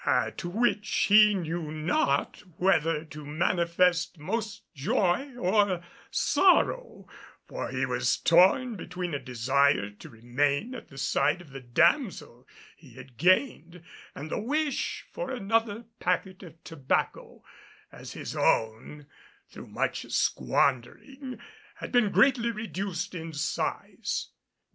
At which he knew not whether to manifest most joy or sorrow; for he was torn between a desire to remain at the side of the damsel he had gained and the wish for another packet of tobacco, as his own through much squandering had been greatly reduced in size.